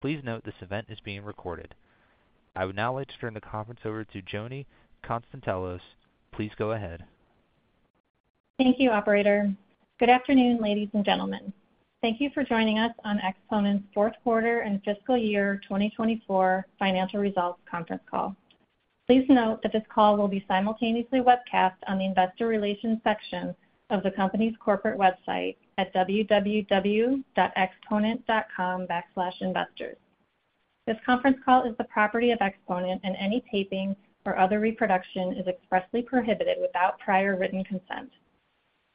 Please note this event is being recorded. I would now like to turn the conference over to Joni Konstantelos. Please go ahead. Thank you, Operator. Good afternoon, ladies and gentlemen. Thank you for joining us on Exponent's Fourth Quarter and Fiscal Year 2024 Financial Results Conference Call. Please note that this call will be simultaneously webcast on the investor relations section of the company's corporate website at www.exponent.com/investors. This conference call is the property of Exponent, and any taping or other reproduction is expressly prohibited without prior written consent.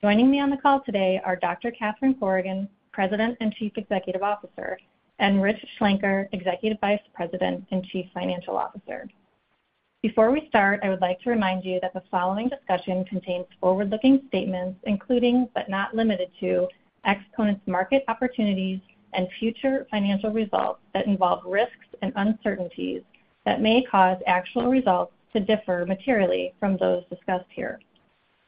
Joining me on the call today are Dr. Catherine Corrigan, President and Chief Executive Officer, and Rich Schlenker, Executive Vice President and Chief Financial Officer. Before we start, I would like to remind you that the following discussion contains forward-looking statements, including but not limited to Exponent's market opportunities and future financial results that involve risks and uncertainties that may cause actual results to differ materially from those discussed here.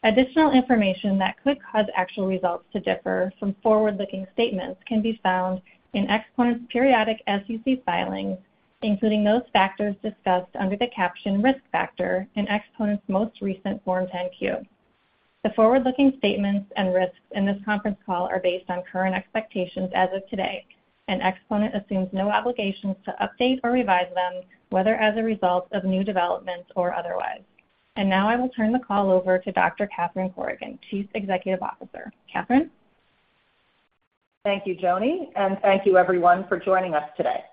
Additional information that could cause actual results to differ from forward-looking statements can be found in Exponent's periodic SEC filings, including those factors discussed under the caption "Risk Factor" in Exponent's most recent Form 10-Q. The forward-looking statements and risks in this conference call are based on current expectations as of today, and Exponent assumes no obligations to update or revise them, whether as a result of new developments or otherwise, and now I will turn the call over to Dr. Catherine Corrigan, Chief Executive Officer. Catherine? Thank you, Joni, and thank you, everyone, for joining us today.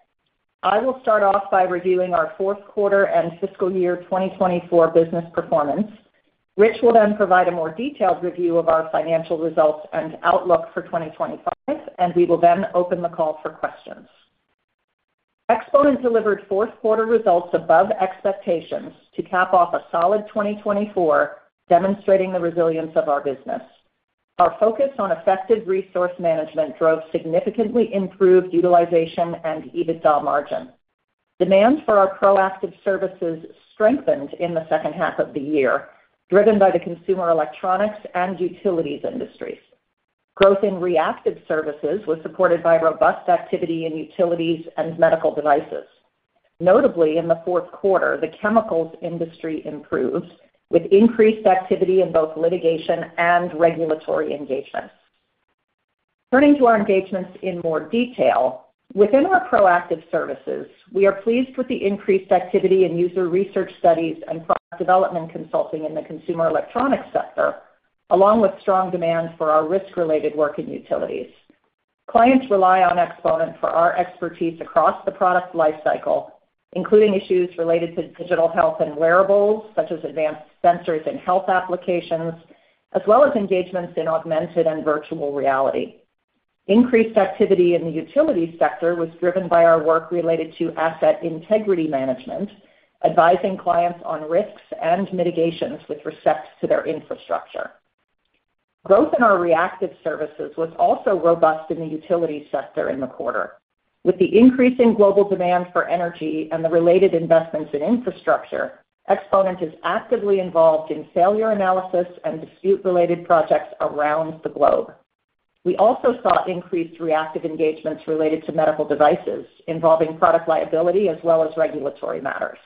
I will start off by reviewing our fourth quarter and fiscal year 2024 business performance. Rich will then provide a more detailed review of our financial results and outlook for 2025, and we will then open the call for questions. Exponent delivered fourth quarter results above expectations to cap off a solid 2024, demonstrating the resilience of our business. Our focus on effective resource management drove significantly improved utilization and EBITDA margin. Demand for our proactive services strengthened in the second half of the year, driven by the consumer electronics and utilities industries. Growth in reactive services was supported by robust activity in utilities and medical devices. Notably, in the fourth quarter, the chemicals industry improved with increased activity in both litigation and regulatory engagements. Turning to our engagements in more detail, within our proactive services, we are pleased with the increased activity in user research studies and product development consulting in the consumer electronics sector, along with strong demand for our risk-related work in utilities. Clients rely on Exponent for our expertise across the product lifecycle, including issues related to digital health and wearables such as advanced sensors in health applications, as well as engagements in augmented and virtual reality. Increased activity in the utility sector was driven by our work related to asset integrity management, advising clients on risks and mitigations with respect to their infrastructure. Growth in our reactive services was also robust in the utility sector in the quarter. With the increasing global demand for energy and the related investments in infrastructure, Exponent is actively involved in failure analysis and dispute-related projects around the globe. We also saw increased reactive engagements related to medical devices, involving product liability as well as regulatory matters.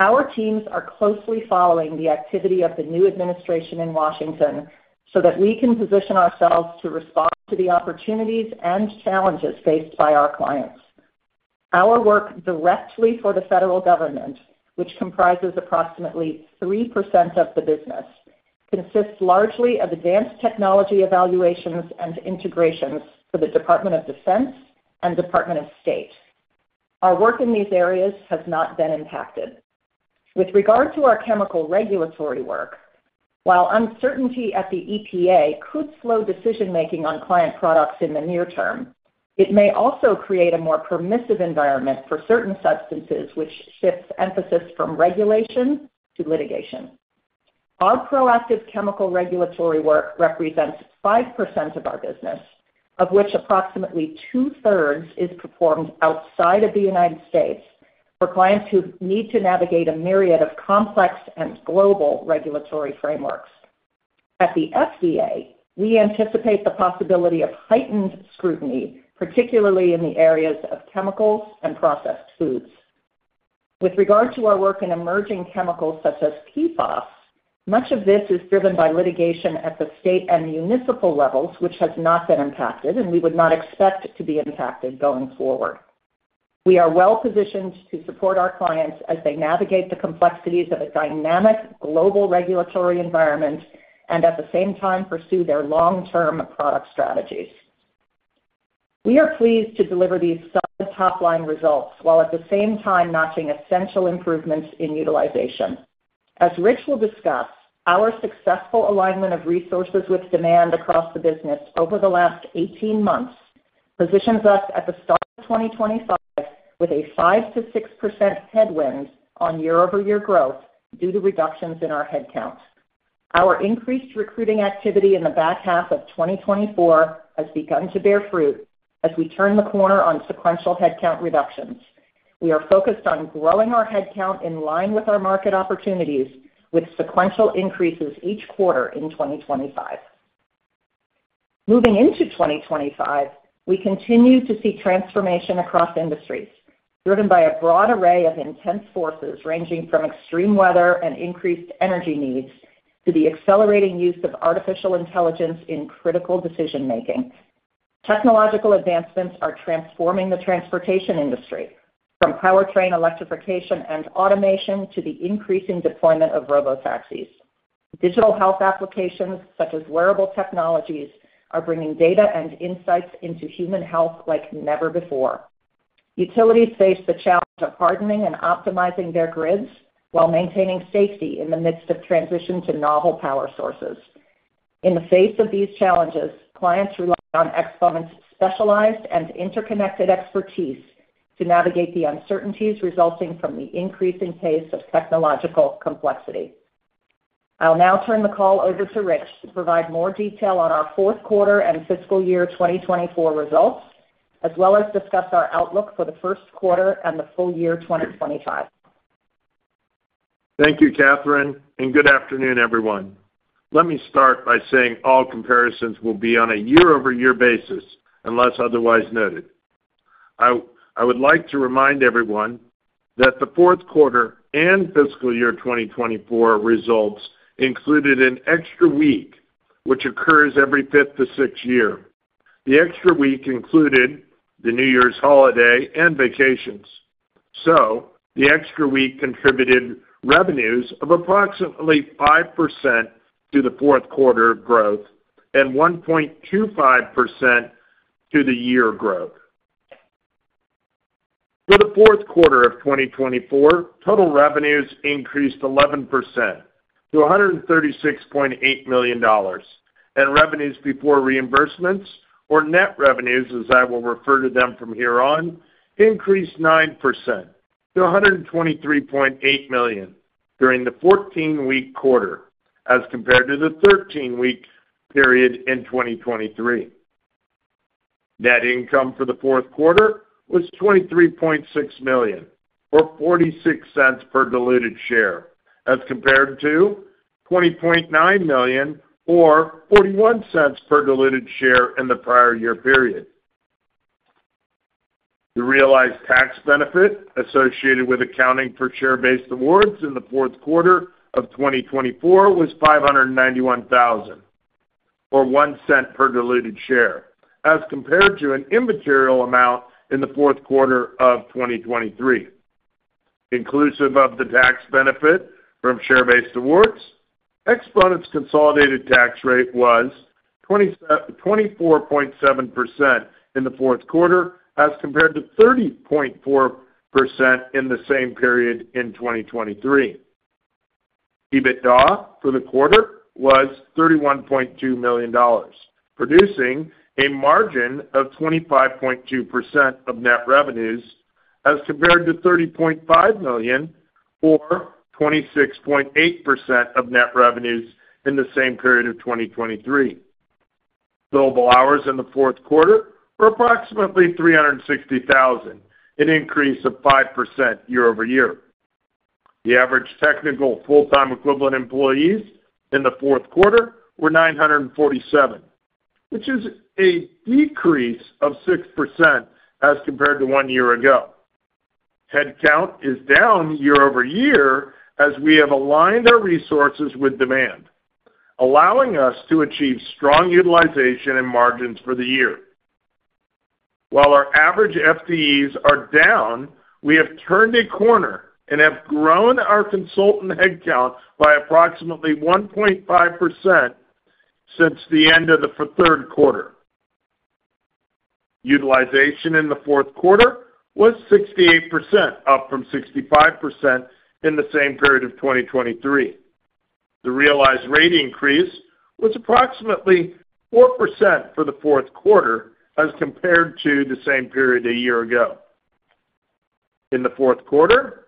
Our teams are closely following the activity of the new administration in Washington so that we can position ourselves to respond to the opportunities and challenges faced by our clients. Our work directly for the federal government, which comprises approximately 3% of the business, consists largely of advanced technology evaluations and integrations for the Department of Defense and Department of State. Our work in these areas has not been impacted. With regard to our chemical regulatory work, while uncertainty at the EPA could slow decision-making on client products in the near term, it may also create a more permissive environment for certain substances, which shifts emphasis from regulation to litigation. Our proactive chemical regulatory work represents 5% of our business, of which approximately 2/3 is performed outside of the United States for clients who need to navigate a myriad of complex and global regulatory frameworks. At the FDA, we anticipate the possibility of heightened scrutiny, particularly in the areas of chemicals and processed foods. With regard to our work in emerging chemicals such as PFAS, much of this is driven by litigation at the state and municipal levels, which has not been impacted and we would not expect to be impacted going forward. We are well-positioned to support our clients as they navigate the complexities of a dynamic global regulatory environment and at the same time pursue their long-term product strategies. We are pleased to deliver these solid top-line results while at the same time notching essential improvements in utilization. As Rich will discuss, our successful alignment of resources with demand across the business over the last 18 months positions us at the start of 2025 with a 5%-6% headwind on year-over-year growth due to reductions in our headcount. Our increased recruiting activity in the back half of 2024 has begun to bear fruit as we turn the corner on sequential headcount reductions. We are focused on growing our headcount in line with our market opportunities, with sequential increases each quarter in 2025. Moving into 2025, we continue to see transformation across industries, driven by a broad array of intense forces ranging from extreme weather and increased energy needs to the accelerating use of artificial intelligence in critical decision-making. Technological advancements are transforming the transportation industry, from powertrain electrification and automation to the increasing deployment of robotaxis. Digital health applications such as wearable technologies are bringing data and insights into human health like never before. Utilities face the challenge of hardening and optimizing their grids while maintaining safety in the midst of transition to novel power sources. In the face of these challenges, clients rely on Exponent's specialized and interconnected expertise to navigate the uncertainties resulting from the increasing pace of technological complexity. I'll now turn the call over to Rich to provide more detail on our fourth quarter and fiscal year 2024 results, as well as discuss our outlook for the first quarter and the full year 2025. Thank you, Catherine, and good afternoon, everyone. Let me start by saying all comparisons will be on a year-over-year basis, unless otherwise noted. I would like to remind everyone that the fourth quarter and fiscal year 2024 results included an extra week, which occurs every fifth to sixth year. The extra week included the New Year's holiday and vacations. So the extra week contributed revenues of approximately 5% to the fourth quarter growth and 1.25% to the year growth. For the fourth quarter of 2024, total revenues increased 11% to $136.8 million, and revenues before reimbursements, or net revenues as I will refer to them from here on, increased 9% to $123.8 million during the 14-week quarter as compared to the 13-week period in 2023. Net income for the fourth quarter was $23.6 million, or $0.46 per diluted share, as compared to $20.9 million, or $0.41 per diluted share in the prior year period. The realized tax benefit associated with accounting for share-based awards in the fourth quarter of 2024 was $591,000, or $0.01 per diluted share, as compared to an immaterial amount in the fourth quarter of 2023. Inclusive of the tax benefit from share-based awards, Exponent's consolidated tax rate was 24.7% in the fourth quarter as compared to 30.4% in the same period in 2023. EBITDA for the quarter was $31.2 million, producing a margin of 25.2% of net revenues as compared to $30.5 million, or 26.8% of net revenues in the same period of 2023. Billable hours in the fourth quarter were approximately 360,000, an increase of 5% year-over-year. The average technical full-time equivalent employees in the fourth quarter were 947, which is a decrease of 6% as compared to one year ago. Headcount is down year-over-year as we have aligned our resources with demand, allowing us to achieve strong utilization and margins for the year. While our average FTEs are down, we have turned a corner and have grown our consultant headcount by approximately 1.5% since the end of the third quarter. Utilization in the fourth quarter was 68%, up from 65% in the same period of 2023. The realized rate increase was approximately 4% for the fourth quarter as compared to the same period a year ago. In the fourth quarter,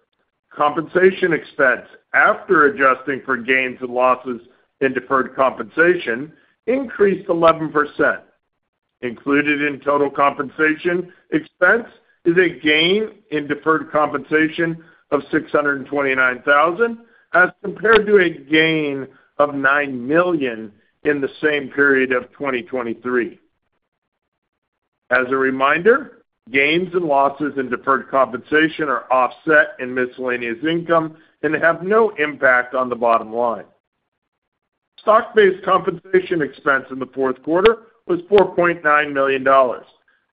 compensation expense after adjusting for gains and losses in deferred compensation increased 11%. Included in total compensation expense is a gain in deferred compensation of $629,000 as compared to a gain of $9 million in the same period of 2023. As a reminder, gains and losses in deferred compensation are offset in miscellaneous income and have no impact on the bottom line. Stock-based compensation expense in the fourth quarter was $4.9 million,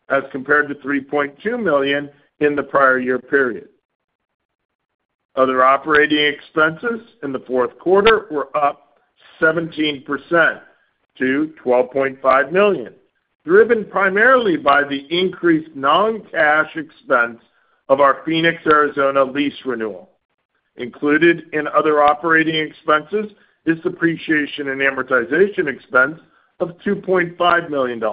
as compared to $3.2 million in the prior year period. Other operating expenses in the fourth quarter were up 17% to $12.5 million, driven primarily by the increased non-cash expense of our Phoenix, Arizona lease renewal. Included in other operating expenses is depreciation and amortization expense of $2.5 million.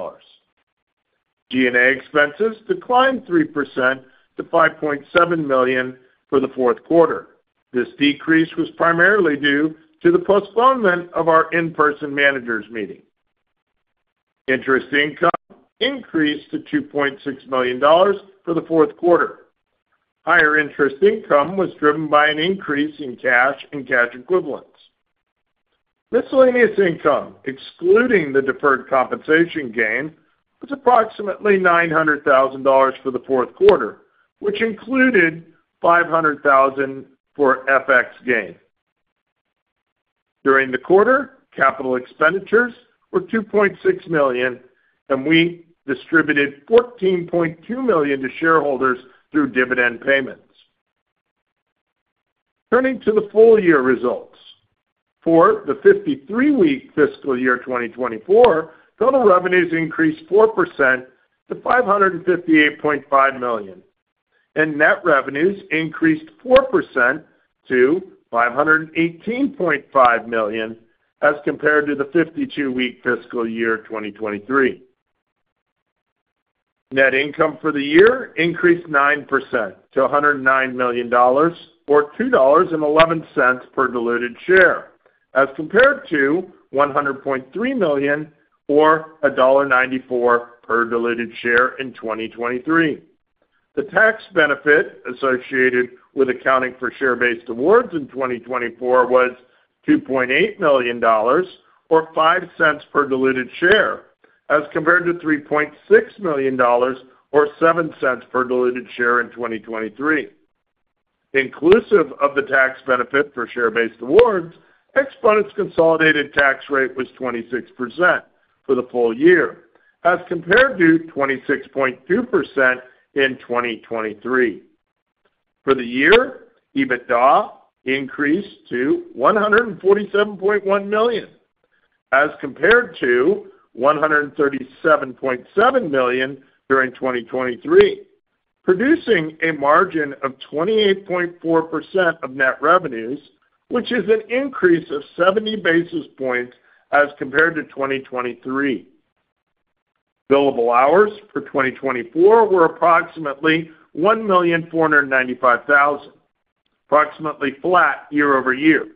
G&A expenses declined 3% to $5.7 million for the fourth quarter. This decrease was primarily due to the postponement of our in-person managers' meeting. Interest income increased to $2.6 million for the fourth quarter. Higher interest income was driven by an increase in cash and cash equivalents. Miscellaneous income, excluding the deferred compensation gain, was approximately $900,000 for the fourth quarter, which included $500,000 for FX gain. During the quarter, capital expenditures were $2.6 million, and we distributed $14.2 million to shareholders through dividend payments. Turning to the full year results, for the 53-week fiscal year 2024, total revenues increased 4% to $558.5 million, and net revenues increased 4% to $518.5 million as compared to the 52-week fiscal year 2023. Net income for the year increased 9% to $109 million, or $2.11 per diluted share, as compared to $100.3 million, or $1.94 per diluted share in 2023. The tax benefit associated with accounting for share-based awards in 2024 was $2.8 million, or $0.05 per diluted share, as compared to $3.6 million, or $0.07 per diluted share in 2023. Inclusive of the tax benefit for share-based awards, Exponent's consolidated tax rate was 26% for the full year, as compared to 26.2% in 2023. For the year, EBITDA increased to $147.1 million, as compared to $137.7 million during 2023, producing a margin of 28.4% of net revenues, which is an increase of 70 basis points as compared to 2023. Billable hours for 2024 were approximately $1,495,000, approximately flat year-over-year.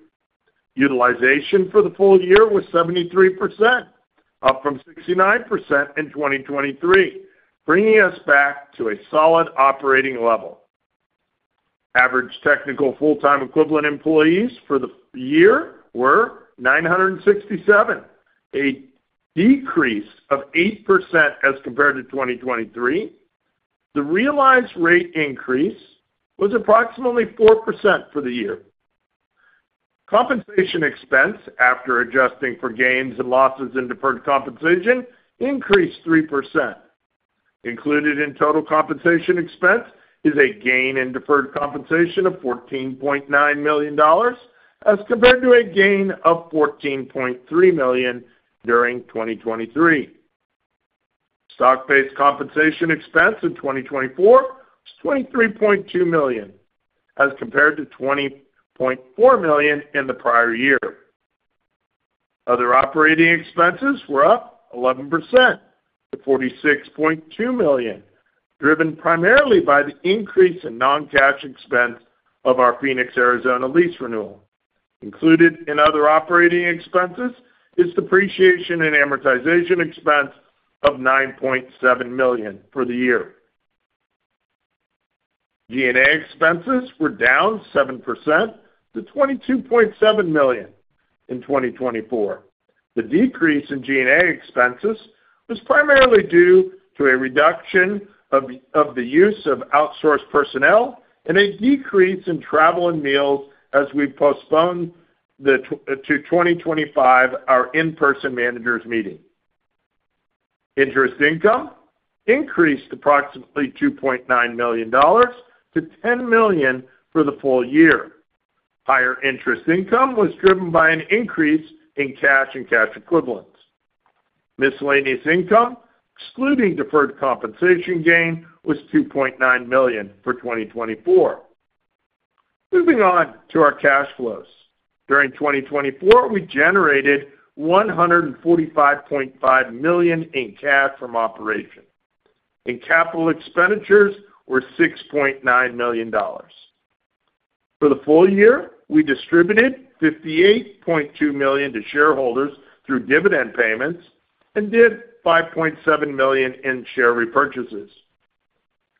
Utilization for the full year was 73%, up from 69% in 2023, bringing us back to a solid operating level. Average technical full-time equivalent employees for the year were 967, a decrease of 8% as compared to 2023. The realized rate increase was approximately 4% for the year. Compensation expense after adjusting for gains and losses in deferred compensation increased 3%. Included in total compensation expense is a gain in deferred compensation of $14.9 million, as compared to a gain of $14.3 million during 2023. Stock-based compensation expense in 2024 was $23.2 million, as compared to $20.4 million in the prior year. Other operating expenses were up 11% to $46.2 million, driven primarily by the increase in non-cash expense of our Phoenix, Arizona lease renewal. Included in other operating expenses is depreciation and amortization expense of $9.7 million for the year. G&A expenses were down 7% to $22.7 million in 2024. The decrease in G&A expenses was primarily due to a reduction of the use of outsourced personnel and a decrease in travel and meals as we postponed to 2025 our in-person managers' meeting. Interest income increased approximately $2.9 million to $10 million for the full year. Higher interest income was driven by an increase in cash and cash equivalents. Miscellaneous income, excluding deferred compensation gain, was $2.9 million for 2024. Moving on to our cash flows. During 2024, we generated $145.5 million in cash from operations. Capital expenditures were $6.9 million. For the full year, we distributed $58.2 million to shareholders through dividend payments and did $5.7 million in share repurchases.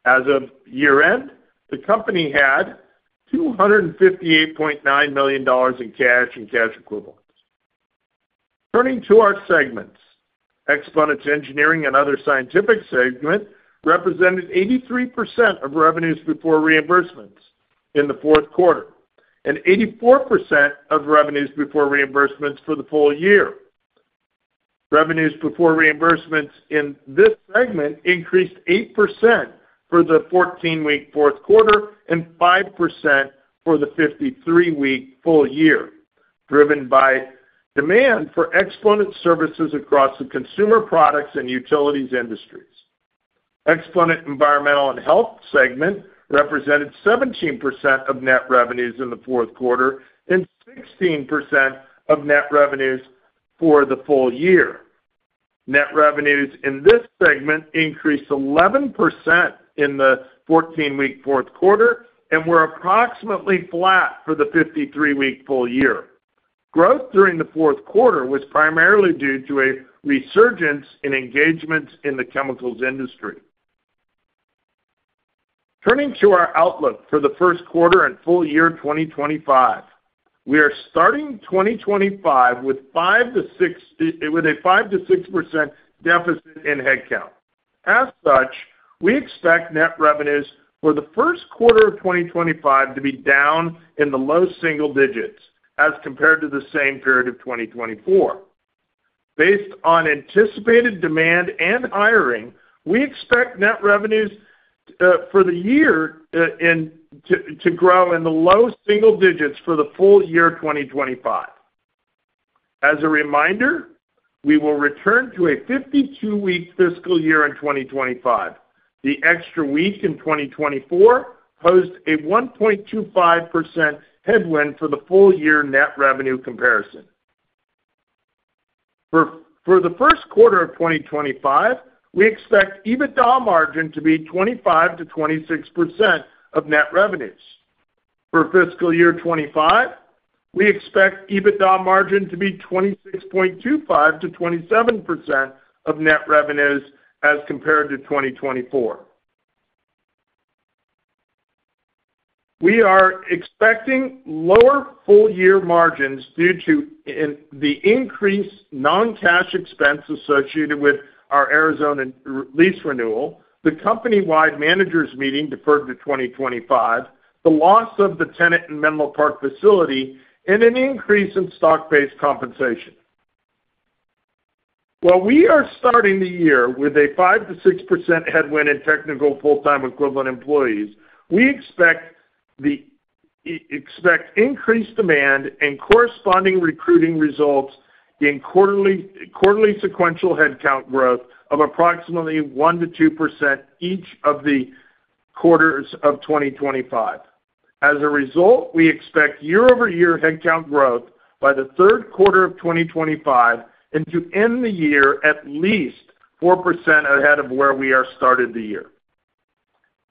As of year-end, the company had $258.9 million in cash and cash equivalents. Turning to our segments, Exponent's engineering and other scientific segment represented 83% of revenues before reimbursements in the fourth quarter and 84% of revenues before reimbursements for the full year. Revenues before reimbursements in this segment increased 8% for the 14-week fourth quarter and 5% for the 53-week full year, driven by demand for Exponent services across the consumer products and utilities industries. Exponent's environmental and health segment represented 17% of net revenues in the fourth quarter and 16% of net revenues for the full year. Net revenues in this segment increased 11% in the 14-week fourth quarter and were approximately flat for the 53-week full year. Growth during the fourth quarter was primarily due to a resurgence in engagements in the chemicals industry. Turning to our outlook for the first quarter and full year 2025, we are starting 2025 with a 5%-6% deficit in headcount. As such, we expect net revenues for the first quarter of 2025 to be down in the low single digits as compared to the same period of 2024. Based on anticipated demand and hiring, we expect net revenues for the year to grow in the low single digits for the full year 2025. As a reminder, we will return to a 52-week fiscal year in 2025. The extra week in 2024 posed a 1.25% headwind for the full year net revenue comparison. For the first quarter of 2025, we expect EBITDA margin to be 25%-26% of net revenues. For fiscal year 2025, we expect EBITDA margin to be 26.25%-27% of net revenues as compared to 2024. We are expecting lower full-year margins due to the increased non-cash expense associated with our Arizona lease renewal, the company-wide managers' meeting deferred to 2025, the loss of the tenant and Menlo Park facility, and an increase in stock-based compensation. While we are starting the year with a 5%-6% headwind in technical full-time equivalent employees, we expect increased demand and corresponding recruiting results in quarterly sequential headcount growth of approximately 1%-2% each of the quarters of 2025. As a result, we expect year-over-year headcount growth by the third quarter of 2025 and to end the year at least 4% ahead of where we started the year.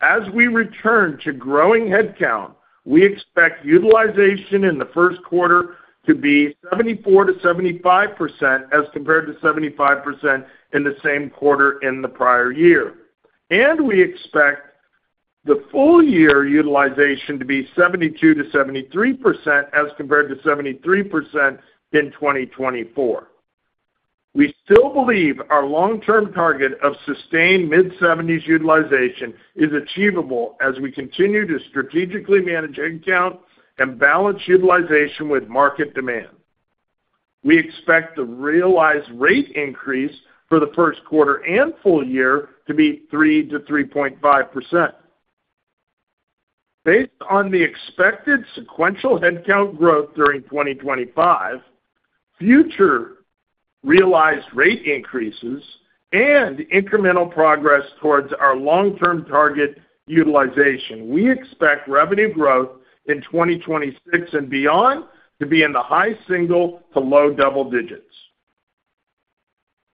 As we return to growing headcount, we expect utilization in the first quarter to be 74%-75% as compared to 75% in the same quarter in the prior year. And we expect the full-year utilization to be 72%-73% as compared to 73% in 2024. We still believe our long-term target of sustained mid-70s utilization is achievable as we continue to strategically manage headcount and balance utilization with market demand. We expect the realized rate increase for the first quarter and full year to be 3%-3.5%. Based on the expected sequential headcount growth during 2025, future realized rate increases, and incremental progress towards our long-term target utilization, we expect revenue growth in 2026 and beyond to be in the high single to low double digits.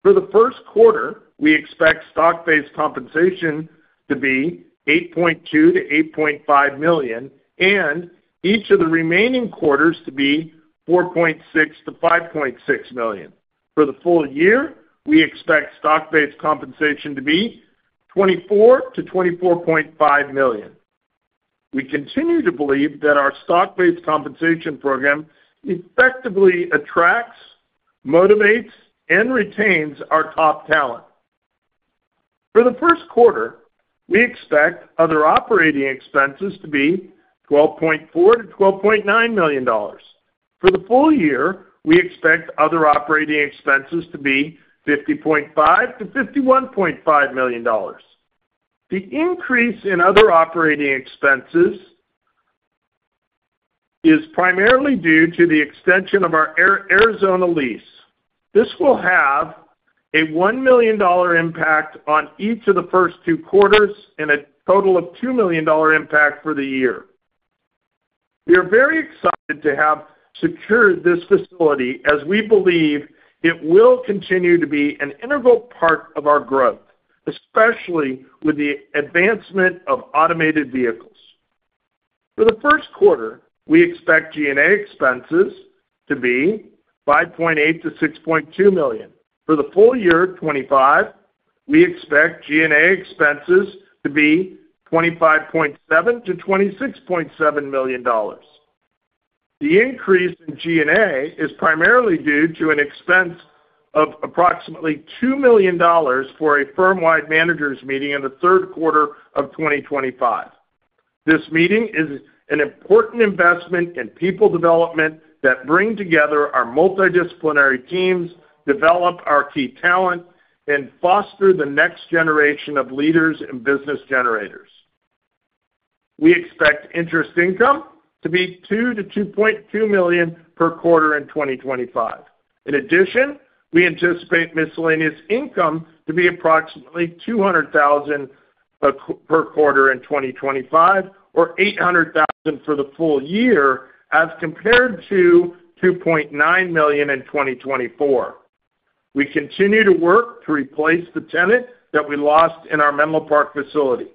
For the first quarter, we expect stock-based compensation to be $8.2 million-$8.5 million and each of the remaining quarters to be $4.6 million-$5.6 million. For the full year, we expect stock-based compensation to be $24 million-$24.5 million. We continue to believe that our stock-based compensation program effectively attracts, motivates, and retains our top talent. For the first quarter, we expect other operating expenses to be $12.4 million-$12.9 million. For the full year, we expect other operating expenses to be $50.5 million-$51.5 million. The increase in other operating expenses is primarily due to the extension of our Arizona lease. This will have a $1 million impact on each of the first two quarters and a total of $2 million impact for the year. We are very excited to have secured this facility as we believe it will continue to be an integral part of our growth, especially with the advancement of automated vehicles. For the first quarter, we expect G&A expenses to be $5.8 million-$6.2 million. For the full year 2025, we expect G&A expenses to be $25.7 million-$26.7 million. The increase in G&A is primarily due to an expense of approximately $2 million for a firm-wide managers' meeting in the third quarter of 2025. This meeting is an important investment in people development that brings together our multidisciplinary teams, develops our key talent, and fosters the next generation of leaders and business generators. We expect interest income to be $2 million-$2.2 million per quarter in 2025. In addition, we anticipate miscellaneous income to be approximately $200,000 per quarter in 2025, or $800,000 for the full year as compared to $2.9 million in 2024. We continue to work to replace the tenant that we lost in our Menlo Park facility.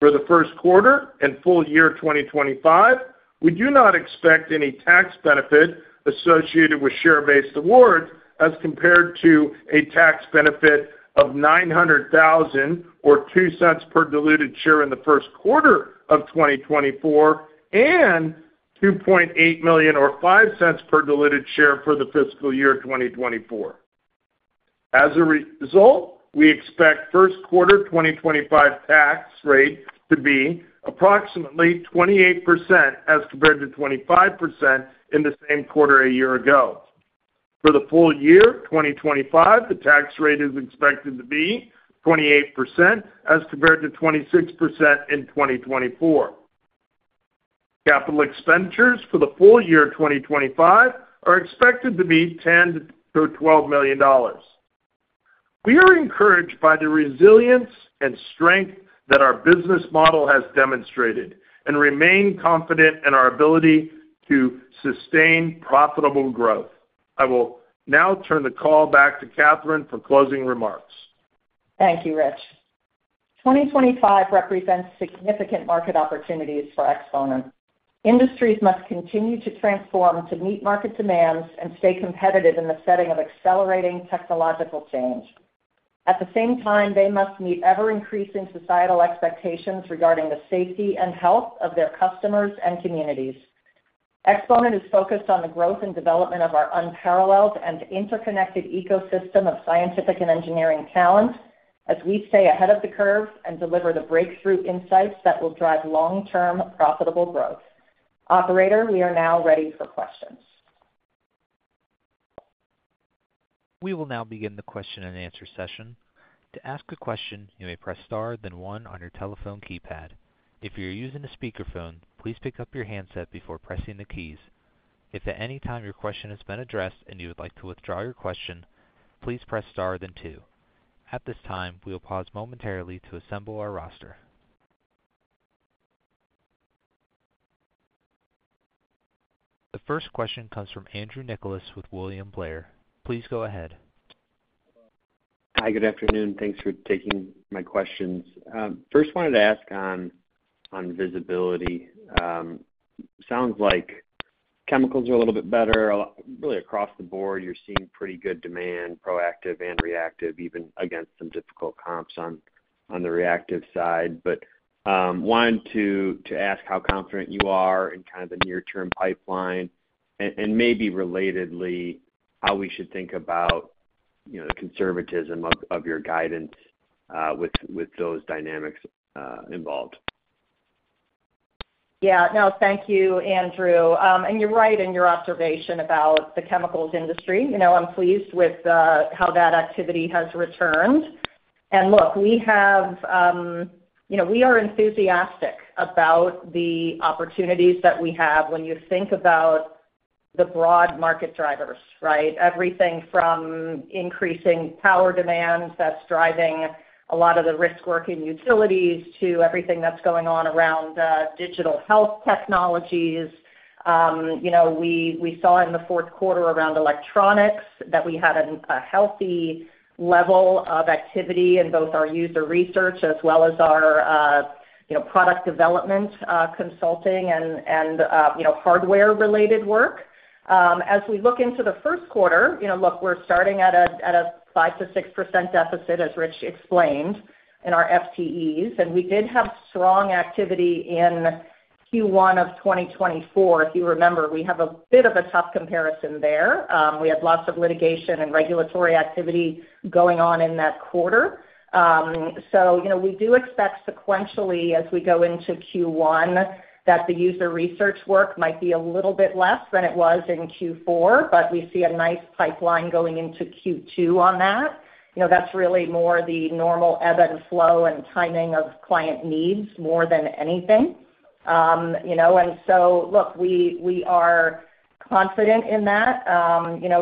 For the first quarter and full year 2025, we do not expect any tax benefit associated with share-based awards as compared to a tax benefit of $900,000, or $0.02 per diluted share in the first quarter of 2024, and $2.8 million, or $0.05 per diluted share for the fiscal year 2024. As a result, we expect first quarter 2025 tax rate to be approximately 28% as compared to 25% in the same quarter a year ago. For the full year 2025, the tax rate is expected to be 28% as compared to 26% in 2024. Capital expenditures for the full year 2025 are expected to be $10 million-$12 million. We are encouraged by the resilience and strength that our business model has demonstrated and remain confident in our ability to sustain profitable growth. I will now turn the call back to Catherine for closing remarks. Thank you, Rich. 2025 represents significant market opportunities for Exponent. Industries must continue to transform to meet market demands and stay competitive in the setting of accelerating technological change. At the same time, they must meet ever-increasing societal expectations regarding the safety and health of their customers and communities. Exponent is focused on the growth and development of our unparalleled and interconnected ecosystem of scientific and engineering talent as we stay ahead of the curve and deliver the breakthrough insights that will drive long-term profitable growth. Operator, we are now ready for questions. We will now begin the question and answer session. To ask a question, you may press star, then one on your telephone keypad. If you're using a speakerphone, please pick up your handset before pressing the keys. If at any time your question has been addressed and you would like to withdraw your question, please press star, then two. At this time, we will pause momentarily to assemble our roster. The first question comes from Andrew Nicholas with William Blair. Please go ahead. Hi, good afternoon. Thanks for taking my questions. First, I wanted to ask on visibility. Sounds like chemicals are a little bit better. Really, across the board, you're seeing pretty good demand, proactive and reactive, even against some difficult comps on the reactive side. But wanted to ask how confident you are in kind of the near-term pipeline and maybe relatedly how we should think about the conservatism of your guidance with those dynamics involved. Yeah. No, thank you, Andrew. And you're right in your observation about the chemicals industry. I'm pleased with how that activity has returned. And look, we are enthusiastic about the opportunities that we have when you think about the broad market drivers, right? Everything from increasing power demand that's driving a lot of the risk-working utilities to everything that's going on around digital health technologies. We saw in the fourth quarter around electronics that we had a healthy level of activity in both our user research as well as our product development consulting and hardware-related work. As we look into the first quarter, look, we're starting at a 5%-6% deficit, as Rich explained, in our FTEs, and we did have strong activity in Q1 of 2024. If you remember, we have a bit of a tough comparison there. We had lots of litigation and regulatory activity going on in that quarter, so we do expect sequentially, as we go into Q1, that the user research work might be a little bit less than it was in Q4, but we see a nice pipeline going into Q2 on that. That's really more the normal ebb and flow and timing of client needs more than anything, and so, look, we are confident in that.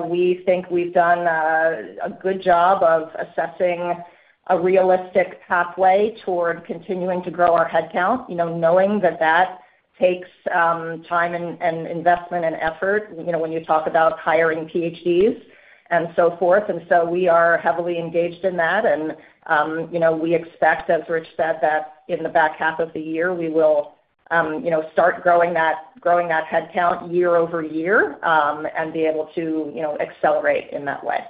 We think we've done a good job of assessing a realistic pathway toward continuing to grow our headcount, knowing that that takes time and investment and effort when you talk about hiring PhDs and so forth. We are heavily engaged in that. We expect, as Rich said, that in the back half of the year, we will start growing that headcount year over year and be able to accelerate in that way.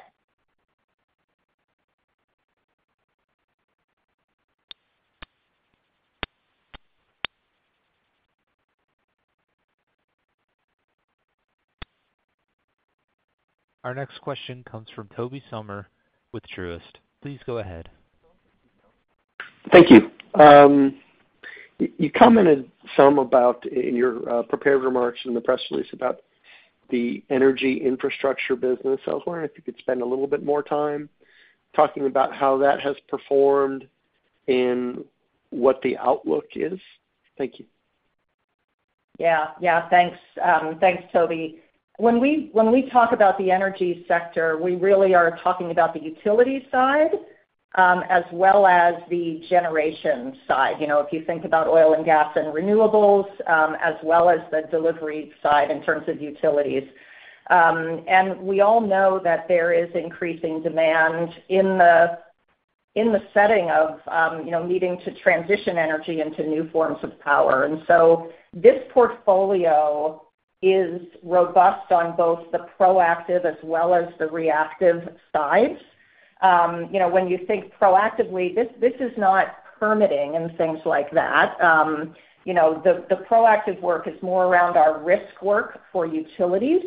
Our next question comes from Tobey Sommer with Truist. Please go ahead. Thank you. You commented some in your prepared remarks in the press release about the energy infrastructure business elsewhere. If you could spend a little bit more time talking about how that has performed and what the outlook is. Thank you. Yeah. Yeah. Thanks. Thanks, Tobey. When we talk about the energy sector, we really are talking about the utility side as well as the generation side. If you think about oil and gas and renewables as well as the delivery side in terms of utilities, and we all know that there is increasing demand in the setting of needing to transition energy into new forms of power, and so this portfolio is robust on both the proactive as well as the reactive sides. When you think proactively, this is not permitting and things like that. The proactive work is more around our risk work for utilities,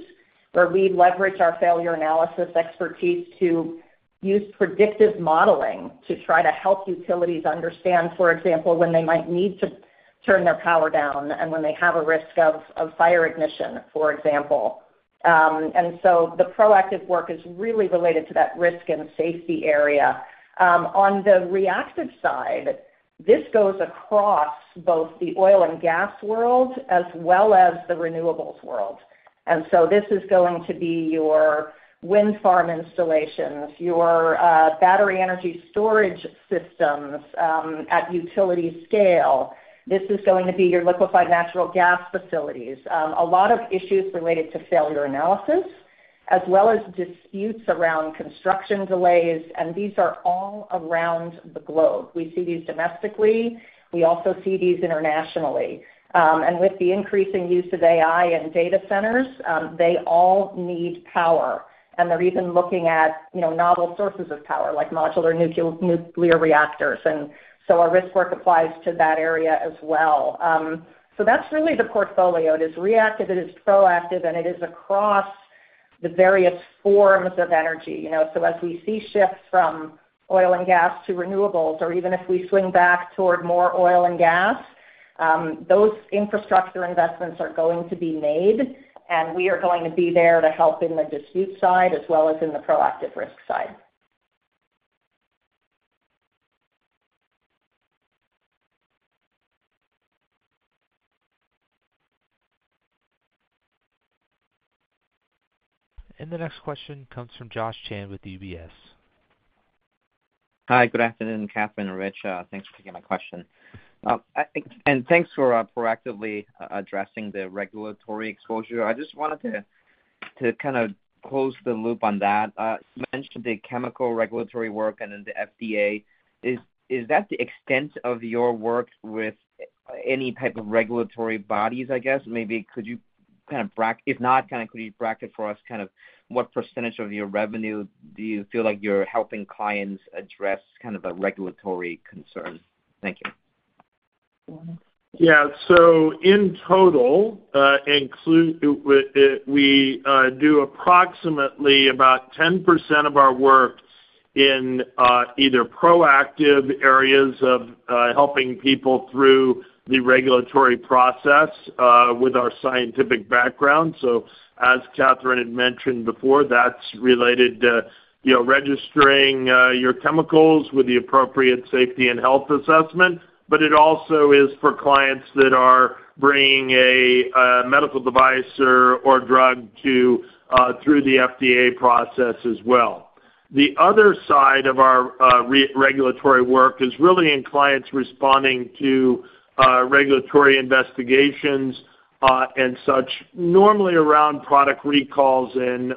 where we leverage our failure analysis expertise to use predictive modeling to try to help utilities understand, for example, when they might need to turn their power down and when they have a risk of fire ignition, for example. And so the proactive work is really related to that risk and safety area. On the reactive side, this goes across both the oil and gas world as well as the renewables world. And so this is going to be your wind farm installations, your battery energy storage systems at utility scale. This is going to be your liquefied natural gas facilities. A lot of issues related to failure analysis as well as disputes around construction delays. And these are all around the globe. We see these domestically. We also see these internationally. And with the increasing use of AI and data centers, they all need power. And they're even looking at novel sources of power like modular nuclear reactors. And so our risk work applies to that area as well. So that's really the portfolio. It is reactive. It is proactive. And it is across the various forms of energy. So as we see shifts from oil and gas to renewables, or even if we swing back toward more oil and gas, those infrastructure investments are going to be made. And we are going to be there to help in the dispute side as well as in the proactive risk side. And the next question comes from Josh Chan with UBS. Hi, good afternoon, Catherine and Rich. Thanks for taking my question. And thanks for proactively addressing the regulatory exposure. I just wanted to kind of close the loop on that. You mentioned the chemical regulatory work and then the FDA. Is that the extent of your work with any type of regulatory bodies, I guess? Could you bracket for us what percentage of your revenue do you feel like you're helping clients address a regulatory concern? Thank you. Yeah. So in total, we do approximately about 10% of our work in either proactive areas of helping people through the regulatory process with our scientific background. So as Catherine had mentioned before, that's related to registering your chemicals with the appropriate safety and health assessment. But it also is for clients that are bringing a medical device or drug through the FDA process as well. The other side of our regulatory work is really in clients responding to regulatory investigations and such, normally around product recalls and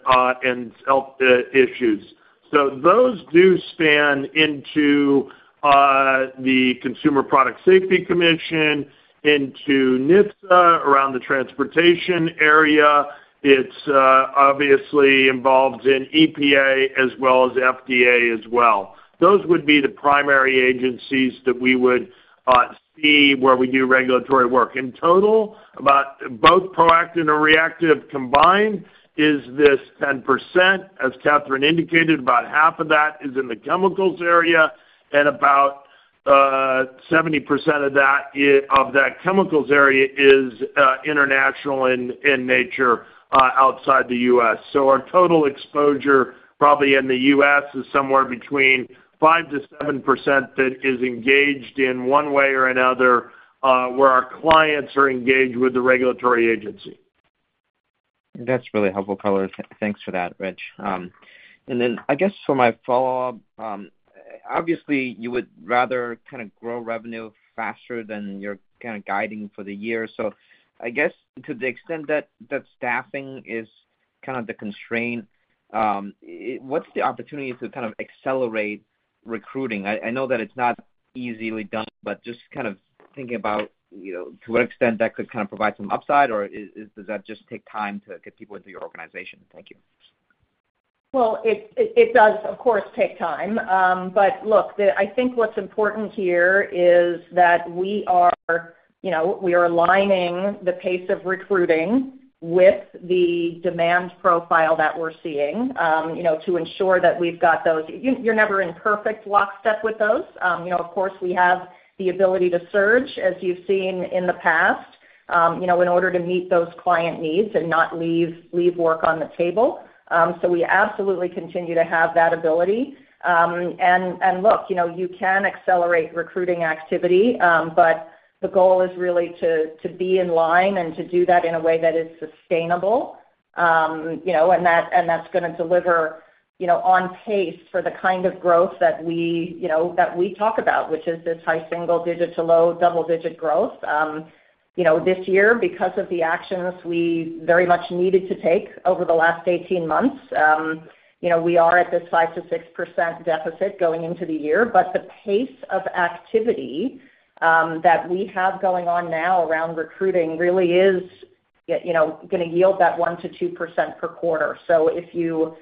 health issues. So those do span into the Consumer Product Safety Commission, into NIFSA around the transportation area. It's obviously involved in EPA as well as FDA as well. Those would be the primary agencies that we would see where we do regulatory work. In total, about both proactive and reactive combined is this 10%. As Catherine indicated, about half of that is in the chemicals area, and about 70% of that chemicals area is international in nature outside the U.S. So our total exposure, probably in the U.S., is somewhere between 5%-7% that is engaged in one way or another where our clients are engaged with the regulatory agency. That's really helpful color. Thanks for that, Rich. And then I guess for my follow-up, obviously, you would rather kind of grow revenue faster than you're kind of guiding for the year. So I guess to the extent that staffing is kind of the constraint, what's the opportunity to kind of accelerate recruiting? I know that it's not easily done, but just kind of thinking about to what extent that could kind of provide some upside, or does that just take time to get people into your organization? Thank you. Well, it does, of course, take time. But look, I think what's important here is that we are aligning the pace of recruiting with the demand profile that we're seeing to ensure that we've got those. You're never in perfect lockstep with those. Of course, we have the ability to surge, as you've seen in the past, in order to meet those client needs and not leave work on the table. So we absolutely continue to have that ability. And look, you can accelerate recruiting activity, but the goal is really to be in line and to do that in a way that is sustainable. And that's going to deliver on pace for the kind of growth that we talk about, which is this high single-digit to low double-digit growth this year because of the actions we very much needed to take over the last 18 months. We are at this 5%-6% deficit going into the year. But the pace of activity that we have going on now around recruiting really is going to yield that 1%-2% per quarter. So if you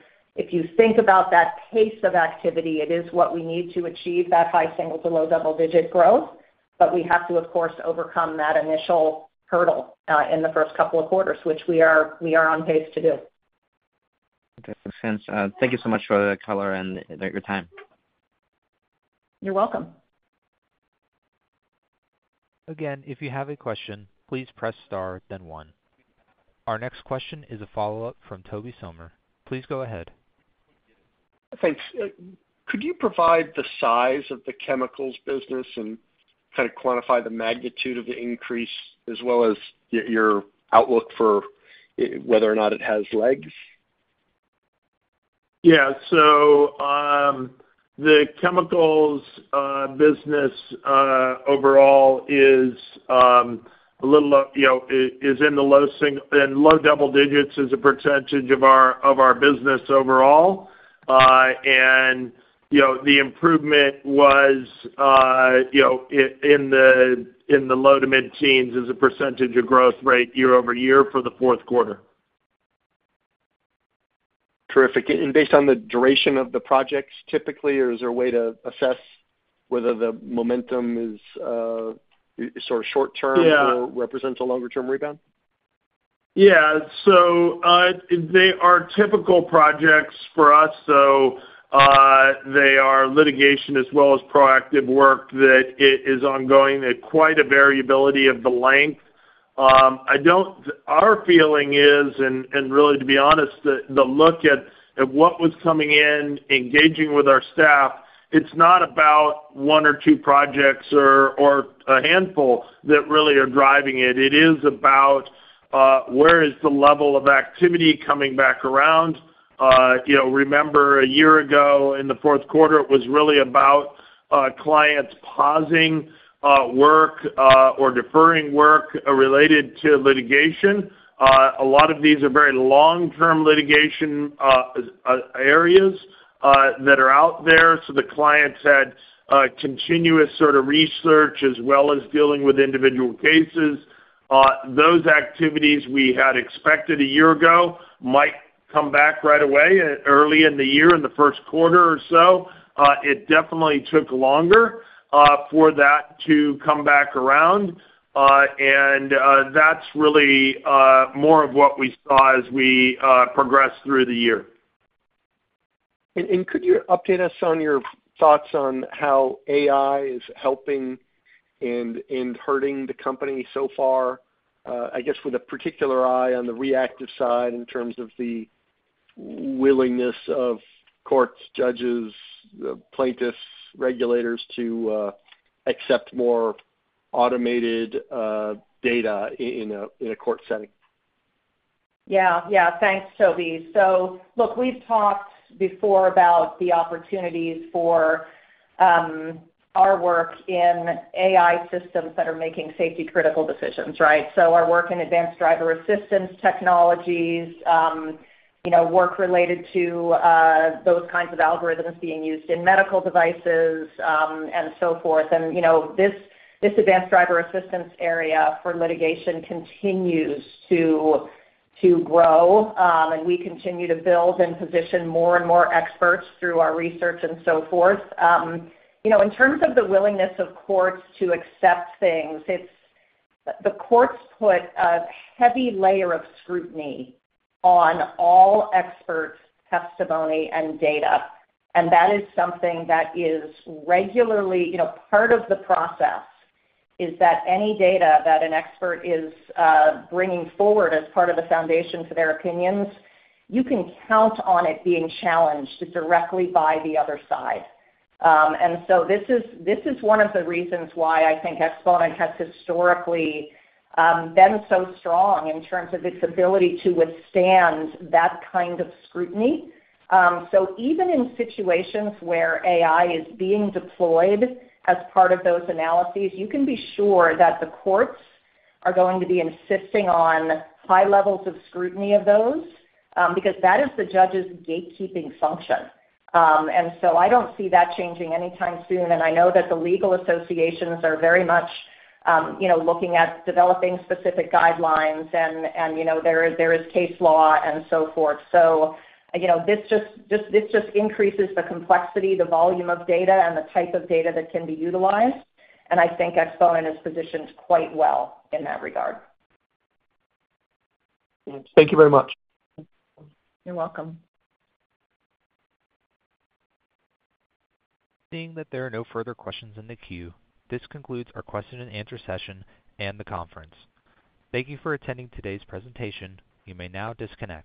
think about that pace of activity, it is what we need to achieve that high single-to-low double-digit growth. But we have to, of course, overcome that initial hurdle in the first couple of quarters, which we are on pace to do. That makes sense. Thank you so much for the color and your time. You're welcome. Again, if you have a question, please press star, then one. Our next question is a follow-up from Tobey Sommer. Please go ahead. Thanks. Could you provide the size of the chemicals business and kind of quantify the magnitude of the increase as well as your outlook for whether or not it has legs? Yeah. So the chemicals business overall is a little in the low double digits as a percentage of our business overall, and the improvement was in the low to mid-teens as a percentage of growth rate year-over-year for the fourth quarter. Terrific, and based on the duration of the projects typically, or is there a way to assess whether the momentum is sort of short-term or represents a longer-term rebound? Yeah. So they are typical projects for us, so they are litigation as well as proactive work that is ongoing at quite a variability of the length. Our feeling is, and really, to be honest, the look at what was coming in, engaging with our staff. It's not about one or two projects or a handful that really are driving it. It is about where is the level of activity coming back around. Remember, a year ago in the fourth quarter, it was really about clients pausing work or deferring work related to litigation. A lot of these are very long-term litigation areas that are out there. So the clients had continuous sort of research as well as dealing with individual cases. Those activities we had expected a year ago might come back right away early in the year in the first quarter or so. It definitely took longer for that to come back around, and that's really more of what we saw as we progressed through the year. Could you update us on your thoughts on how AI is helping and hurting the company so far, I guess, with a particular eye on the reactive side in terms of the willingness of courts, judges, plaintiffs, regulators to accept more automated data in a court setting? Yeah. Yeah. Thanks, Tobey. Look, we've talked before about the opportunities for our work in AI systems that are making safety-critical decisions, right? Our work in advanced driver assistance technologies, work related to those kinds of algorithms being used in medical devices and so forth. This advanced driver assistance area for litigation continues to grow. We continue to build and position more and more experts through our research and so forth. In terms of the willingness of courts to accept things, the courts put a heavy layer of scrutiny on all experts' testimony and data. That is something that is regularly part of the process, is that any data that an expert is bringing forward as part of the foundation to their opinions. You can count on it being challenged directly by the other side. This is one of the reasons why I think Exponent has historically been so strong in terms of its ability to withstand that kind of scrutiny. Even in situations where AI is being deployed as part of those analyses, you can be sure that the courts are going to be insisting on high levels of scrutiny of those because that is the judge's gatekeeping function. I don't see that changing anytime soon. I know that the legal associations are very much looking at developing specific guidelines. There is case law and so forth. So this just increases the complexity, the volume of data, and the type of data that can be utilized. And I think Exponent is positioned quite well in that regard. Thank you very much. You're welcome. Seeing that there are no further questions in the queue, this concludes our question-and-answer session and the conference. Thank you for attending today's presentation. You may now disconnect.